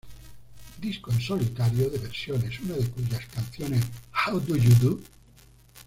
Disco en solitario de versiones, una de cuyas canciones, "How Do You Do?